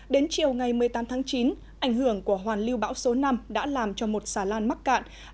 đến chiều ngày một mươi tám tháng chín ảnh hưởng của hoàn lưu bão số năm đã làm cho một xà lan mắc cạn